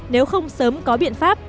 nếu không sớm có biện pháp